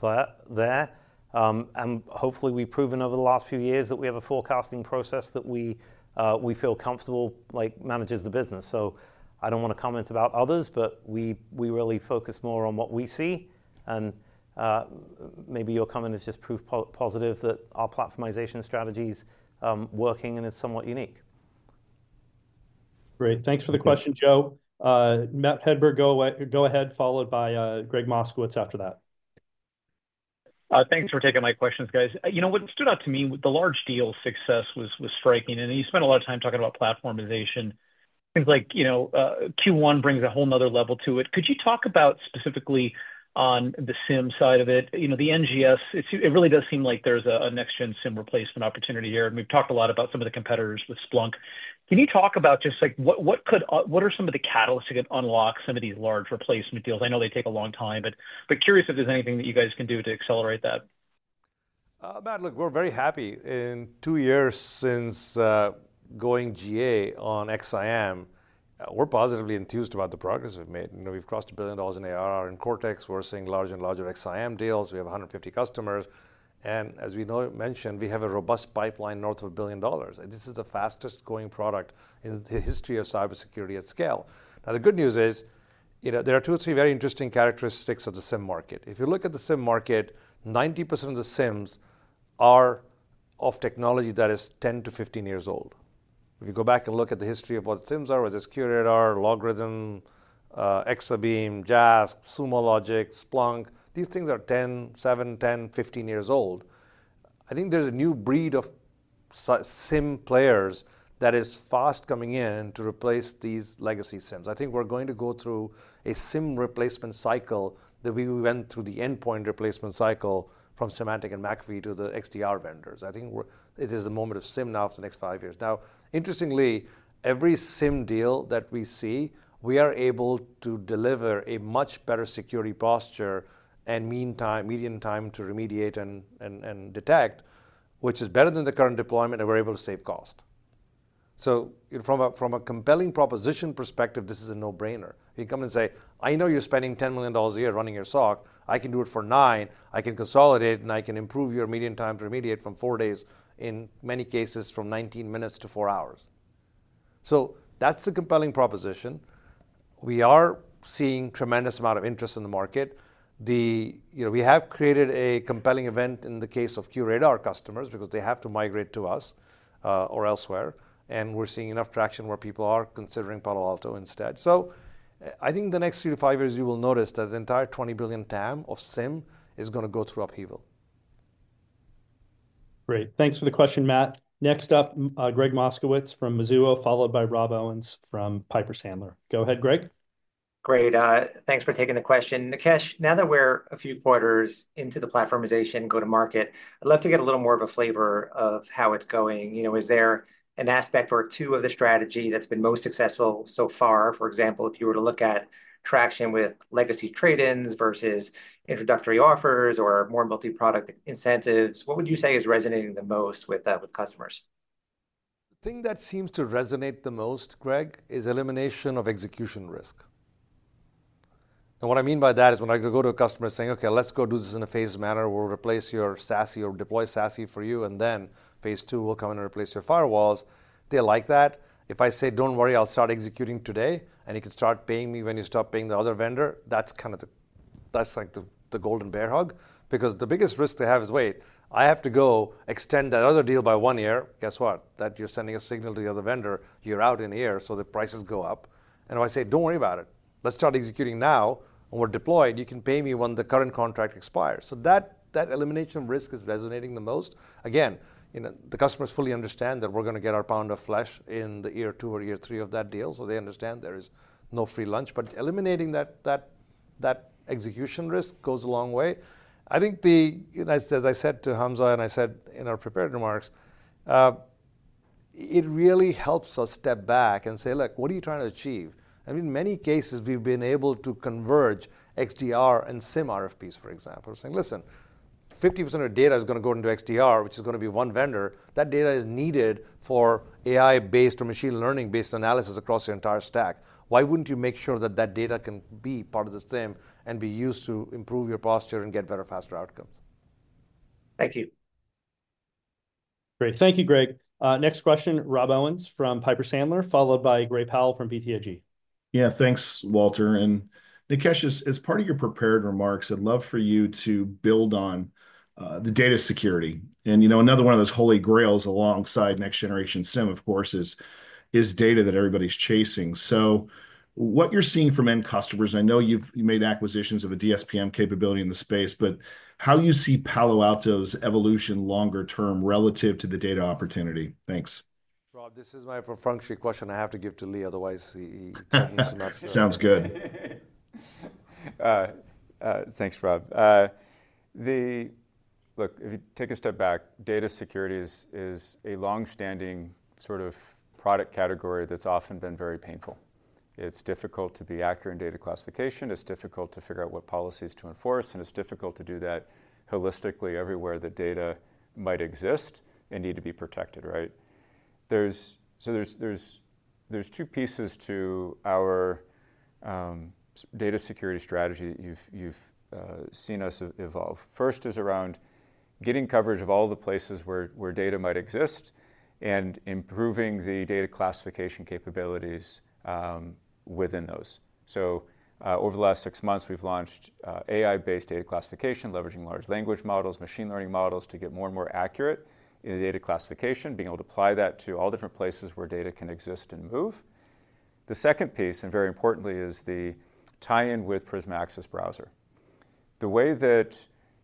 there. And hopefully, we've proven over the last few years that we have a forecasting process that we feel comfortable like manages the business. So I don't want to comment about others, but we really focus more on what we see. And maybe your comment is just proof positive that our platformization strategy is working and it's somewhat unique. Great. Thanks for the question, Joe. Matt Hedberg, go ahead, followed by Gregg Moskowitz after that. Thanks for taking my questions, guys. You know, what stood out to me, the large deal success was striking. And you spent a lot of time talking about platformization. Things like, you know, QRadar brings a whole nother level to it. Could you talk about specifically on the SIEM side of it, you know, the NGS? It really does seem like there's a next-gen SIEM replacement opportunity here. And we've talked a lot about some of the competitors with Splunk. Can you talk about just like what are some of the catalysts that can unlock some of these large replacement deals? I know they take a long time, but curious if there's anything that you guys can do to accelerate that. Matt, look, we're very happy. In two years since going GA on XSIAM, we're positively enthused about the progress we've made. You know, we've crossed $1 billion in ARR in Cortex. We're seeing larger and larger XSIAM deals. We have 150 customers. And as we mentioned, we have a robust pipeline north of $1 billion. This is the fastest going product in the history of cybersecurity at scale. Now, the good news is, you know, there are two or three very interesting characteristics of the SIEM market. If you look at the SIEM market, 90% of the SIEMs are of technology that is 10-15 years old. If you go back and look at the history of what SIEMs are, whether it's QRadar, LogRhythm, Exabeam, JASK, Sumo Logic, Splunk, these things are 10, 7, 10, 15 years old. I think there's a new breed of SIEM players that is fast coming in to replace these legacy SIEMs. I think we're going to go through a SIEM replacement cycle that we went through the endpoint replacement cycle from Symantec and McAfee to the XDR vendors. I think it is the moment of SIEM now for the next five years. Now, interestingly, every SIEM deal that we see, we are able to deliver a much better security posture and median time to remediate and detect, which is better than the current deployment, and we're able to save cost. So from a compelling proposition perspective, this is a no-brainer. You can come and say, "I know you're spending $10 million a year running your SOC. I can do it for nine. I can consolidate, and I can improve your median time to remediate from four days, in many cases, from 19 minutes to four hours." So that's a compelling proposition. We are seeing a tremendous amount of interest in the market. You know, we have created a compelling event in the case of QRadar customers because they have to migrate to us or elsewhere. And we're seeing enough traction where people are considering Palo Alto instead. I think the next three to five years, you will notice that the entire $20 billion TAM of SIEM is going to go through upheaval. Great. Thanks for the question, Matt. Next up, Gregg Moskowitz from Mizuho, followed by Rob Owens from Piper Sandler. Go ahead, Gregg. Great. Thanks for taking the question. Nikesh, now that we're a few quarters into the platformization go-to-market, I'd love to get a little more of a flavor of how it's going. You know, is there an aspect or two of the strategy that's been most successful so far? For example, if you were to look at traction with legacy trade-ins versus introductory offers or more multi-product incentives, what would you say is resonating the most with customers? The thing that seems to resonate the most, Gregg, is elimination of execution risk. And what I mean by that is when I go to a customer saying, "Okay, let's go do this in a phased manner. We'll replace your SASE or deploy SASE for you, and then phase two will come and replace your firewalls." They like that. If I say, "Don't worry, I'll start executing today, and you can start paying me when you stop paying the other vendor," that's kind of the golden bear hug because the biggest risk they have is, "Wait, I have to go extend that other deal by one year." Guess what? That you're sending a signal to the other vendor, you're out in the air, so the prices go up. And if I say, "Don't worry about it. Let's start executing now, and we're deployed. You can pay me when the current contract expires." So that elimination of risk is resonating the most. Again, the customers fully understand that we're going to get our pound of flesh in the year two or year three of that deal, so they understand there is no free lunch. But eliminating that execution risk goes a long way. I think, as I said to Hamza and I said in our prepared remarks, it really helps us step back and say, "Look, what are you trying to achieve?" I mean, in many cases, we've been able to converge XDR and SIEM RFPs, for example, saying, "Listen, 50% of data is going to go into XDR, which is going to be one vendor. That data is needed for AI-based or machine learning-based analysis across your entire stack. Why wouldn't you make sure that that data can be part of the SIEM and be used to improve your posture and get better, faster outcomes?" Thank you. Great. Thank you, Gregg. Next question, Rob Owens from Piper Sandler, followed by Gray Powell from BTIG. Yeah, thanks, Walter. And Nikesh, as part of your prepared remarks, I'd love for you to build on the data security. And you know, another one of those holy grails alongside next-generation SIEM, of course, is data that everybody's chasing. So what you're seeing from end customers, and I know you've made acquisitions of a DSPM capability in the space, but how you see Palo Alto's evolution longer term relative to the data opportunity? Thanks. Rob, this is my perfunctory question I have to give to Lee, otherwise he talks too much. Sounds good. Thanks, Rob. Look, if you take a step back, data security is a long-standing sort of product category that's often been very painful. It's difficult to be accurate in data classification. It's difficult to figure out what policies to enforce. And it's difficult to do that holistically everywhere that data might exist and need to be protected, right? So there's two pieces to our data security strategy that you've seen us evolve. First is around getting coverage of all the places where data might exist and improving the data classification capabilities within those. So over the last six months, we've launched AI-based data classification, leveraging large language models, machine learning models to get more and more accurate in the data classification, being able to apply that to all different places where data can exist and move. The second piece, and very importantly, is the tie-in with Prisma Access Browser. The way that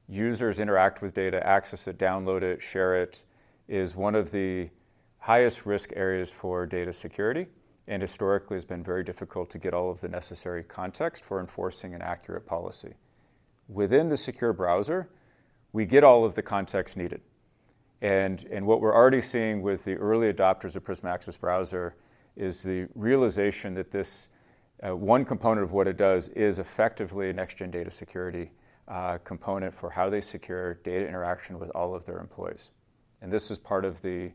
users interact with data, access it, download it, share it, is one of the highest risk areas for data security and historically has been very difficult to get all of the necessary context for enforcing an accurate policy. Within the secure browser, we get all of the context needed, and what we're already seeing with the early adopters of Prisma Access Browser is the realization that this one component of what it does is effectively a next-gen data security component for how they secure data interaction with all of their employees, and this is part of the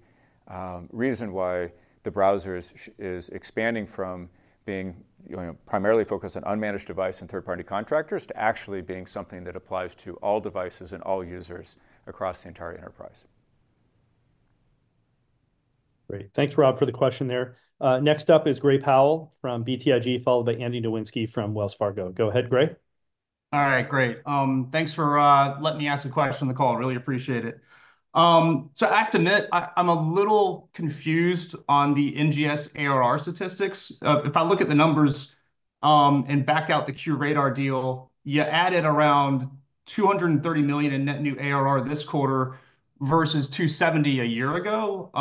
reason why the browser is expanding from being primarily focused on unmanaged device and third-party contractors to actually being something that applies to all devices and all users across the entire enterprise. Great. Thanks, Rob, for the question there. Next up is Gray Powell from BTIG, followed by Andy Nowinsky from Wells Fargo. Go ahead, Gray. All right, great. Thanks for letting me ask a question on the call. I really appreciate it, so I have to admit, I'm a little confused on the NGS ARR statistics. If I look at the numbers and back out the QRadar deal, you added around $230 million in net new ARR this quarter versus $270 million a year ago.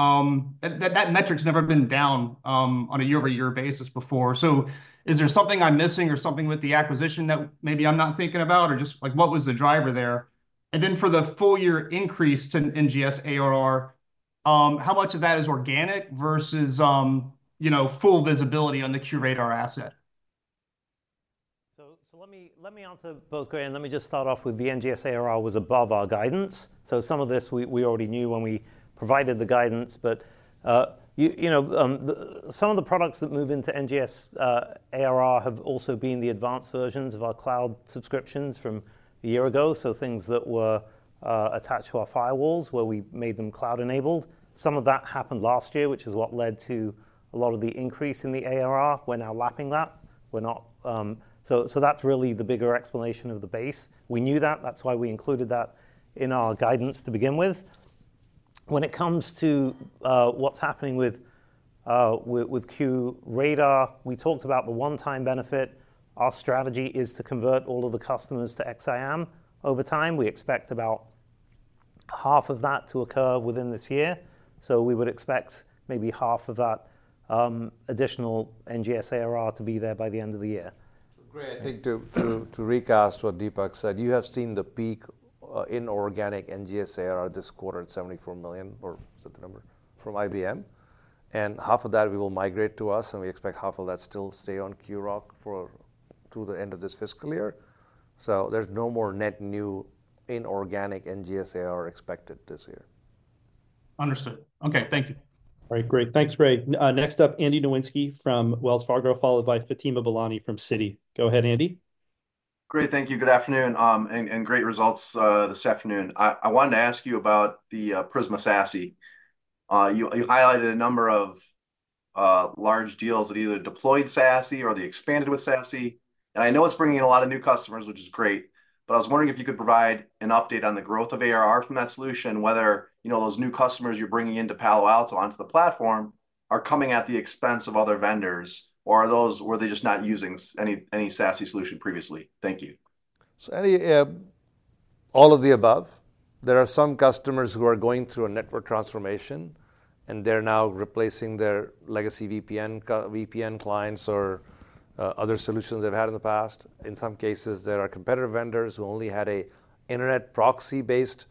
That metric's never been down on a year-over-year basis before. So is there something I'm missing or something with the acquisition that maybe I'm not thinking about, or just like what was the driver there? And then for the full-year increase to NGS ARR, how much of that is organic versus full visibility on the QRadar asset? So let me answer both, Gray. And let me just start off with the NGS ARR was above our guidance. So some of this we already knew when we provided the guidance. But some of the products that move into NGS ARR have also been the advanced versions of our cloud subscriptions from a year ago, so things that were attached to our firewalls where we made them cloud-enabled. Some of that happened last year, which is what led to a lot of the increase in the ARR. We're now lapping that. So that's really the bigger explanation of the base. We knew that. That's why we included that in our guidance to begin with. When it comes to what's happening with QRadar, we talked about the one-time benefit. Our strategy is to convert all of the customers to XSIAM over time. We expect about half of that to occur within this year. So we would expect maybe half of that additional NGS ARR to be there by the end of the year. Gray, I think to recast what Dipak said, you have seen the peak in organic NGS ARR this quarter at $74 million, or is that the number? From IBM. And half of that we will migrate to us, and we expect half of that still stay on QRadar through to the end of this fiscal year. So there's no more net new inorganic NGS ARR expected this year. Understood. Okay, thank you. All right, great. Thanks, Gray. Next up, Andy Nowinski from Wells Fargo, followed by Fatima Boolani from Citi. Go ahead, Andy. Great, thank you. Good afternoon and great results this afternoon. I wanted to ask you about the Prisma SASE. You highlighted a number of large deals that either deployed SASE or they expanded with SASE. And I know it's bringing in a lot of new customers, which is great. But I was wondering if you could provide an update on the growth of ARR from that solution, whether those new customers you're bringing into Palo Alto onto the platform are coming at the expense of other vendors, or are they just not using any SASE solution previously? Thank you. So all of the above. There are some customers who are going through a network transformation, and they're now replacing their legacy VPN clients or other solutions they've had in the past. In some cases, there are competitor vendors who only had an internet proxy-based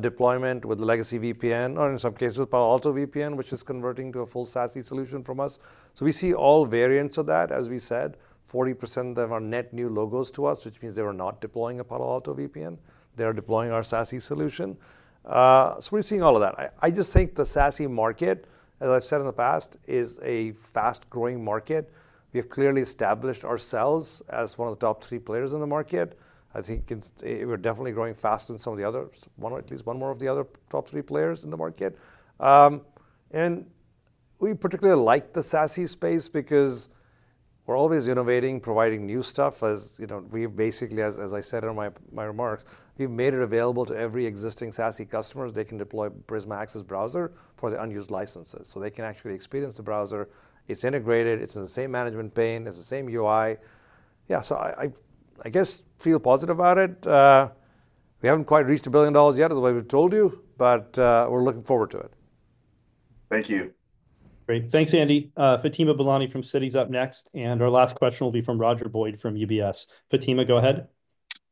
deployment with the legacy VPN, or in some cases, Palo Alto VPN, which is converting to a full SASE solution from us. So we see all variants of that, as we said. 40% of them are net new logos to us, which means they were not deploying a Palo Alto VPN. They are deploying our SASE solution, so we're seeing all of that. I just think the SASE market, as I've said in the past, is a fast-growing market. We have clearly established ourselves as one of the top three players in the market. I think we're definitely growing faster than some of the others, at least one more of the other top three players in the market, and we particularly like the SASE space because we're always innovating, providing new stuff. As we've basically, as I said in my remarks, we've made it available to every existing SASE customer. They can deploy Prisma Access Browser for the unused licenses, so they can actually experience the browser. It's integrated. It's in the same management pane. It's the same UI. Yeah, so I guess feel positive about it. We haven't quite reached a billion dollars yet, as I told you, but we're looking forward to it. Thank you. Great. Thanks, Andy. Fatima Boolani from Citi is up next. And our last question will be from Roger Boyd from UBS. Fatima, go ahead.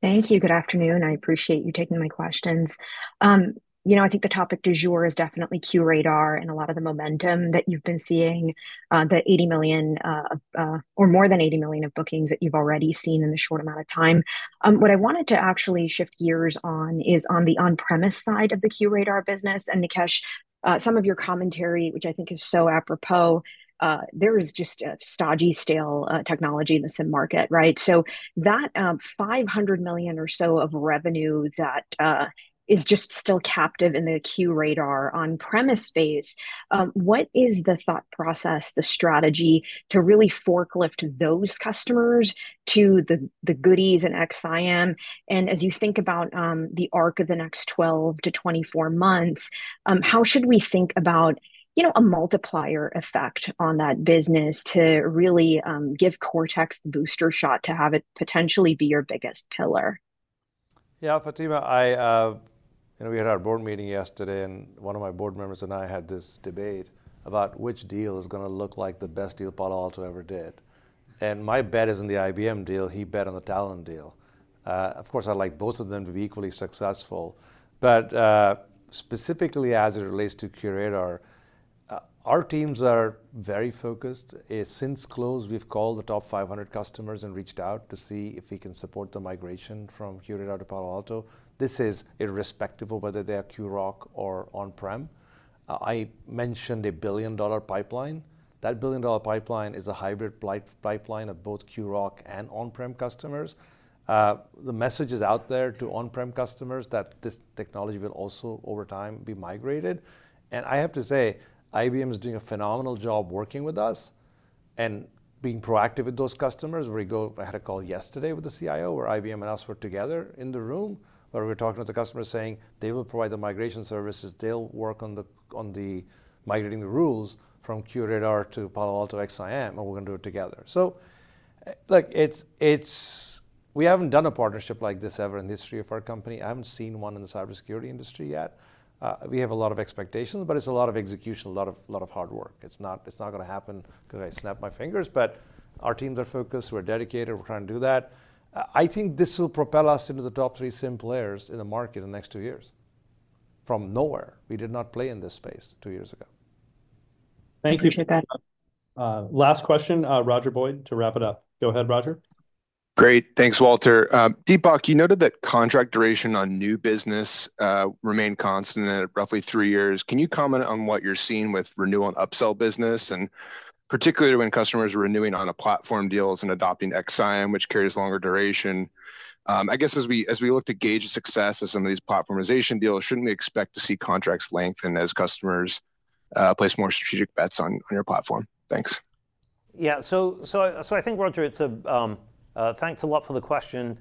Thank you. Good afternoon. I appreciate you taking my questions. You know, I think the topic du jour is definitely Cortex and a lot of the momentum that you've been seeing, the 80 million or more than 80 million bookings that you've already seen in the short amount of time. What I wanted to actually shift gears on is on the on-premise side of the Cortex business. And Nikesh, some of your commentary, which I think is so apropos, there is just a stodgy stale technology in the SIEM market, right? So that $500 million or so of revenue that is just still captive in the QRadar on-premise space, what is the thought process, the strategy to really forklift those customers to the goodies and XSIAM? And as you think about the arc of the next 12-24 months, how should we think about a multiplier effect on that business to really give Cortex the booster shot to have it potentially be your biggest pillar? Yeah, Fatima, we had our board meeting yesterday, and one of my board members and I had this debate about which deal is going to look like the best deal Palo Alto ever did. And my bet isn't the IBM deal. He bet on the Talon deal. Of course, I'd like both of them to be equally successful. But specifically as it relates to QRadar, our teams are very focused. Since close, we've called the top 500 customers and reached out to see if we can support the migration from QRadar to Palo Alto. This is irrespective of whether they are QRoC or on-prem. I mentioned a $1 billion pipeline. That $1 billion pipeline is a hybrid pipeline of both QRoC and on-prem customers. The message is out there to on-prem customers that this technology will also over time be migrated. And I have to say, IBM is doing a phenomenal job working with us and being proactive with those customers. I had a call yesterday with the CIO where IBM and us were together in the room where we were talking to the customers saying they will provide the migration services. They'll work on migrating the rules from QRadar to Palo Alto XSIAM, and we're going to do it together. So we haven't done a partnership like this ever in the history of our company. I haven't seen one in the cybersecurity industry yet. We have a lot of expectations, but it's a lot of execution, a lot of hard work. It's not going to happen because I snapped my fingers, but our teams are focused. We're dedicated. We're trying to do that. I think this will propel us into the top three SIEM players in the market in the next two years from nowhere. We did not play in this space two years ago. Thank you. Appreciate that. Last question, Roger Boyd, to wrap it up. Go ahead, Roger. Great. Thanks, Walter. Dipak, you noted that contract duration on new business remained constant at roughly three years. Can you comment on what you're seeing with renewal and upsell business, and particularly when customers are renewing on platform deals and adopting XSIAM, which carries longer duration? I guess as we look to gauge success of some of these platformization deals, shouldn't we expect to see contracts lengthen as customers place more strategic bets on your platform? Thanks. Yeah, so I think, Roger, thanks a lot for the question.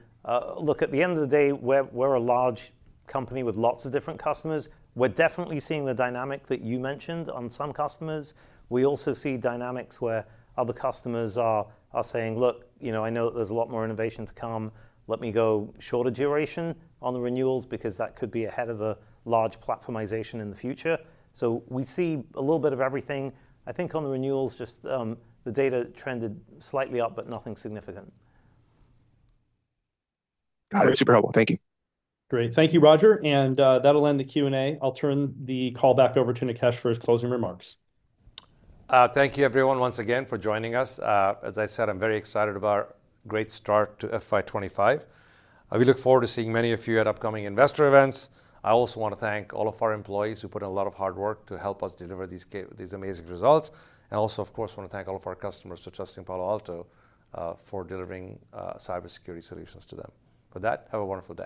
Look, at the end of the day, we're a large company with lots of different customers. We're definitely seeing the dynamic that you mentioned on some customers. We also see dynamics where other customers are saying, "Look, I know that there's a lot more innovation to come. Let me go shorter duration on the renewals because that could be ahead of a large platformization in the future." So we see a little bit of everything. I think on the renewals, just the data trended slightly up, but nothing significant. Got it. Super helpful. Thank you. Great. Thank you, Roger, and that'll end the Q&A. I'll turn the call back over to Nikesh for his closing remarks. Thank you, everyone, once again for joining us. As I said, I'm very excited about a great start to FY 2025. We look forward to seeing many of you at upcoming investor events. I also want to thank all of our employees who put in a lot of hard work to help us deliver these amazing results. And also, of course, I want to thank all of our customers for trusting Palo Alto for delivering cybersecurity solutions to them. With that, have a wonderful day.